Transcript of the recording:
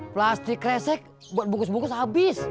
plastik kresek buat bungkus bungkus habis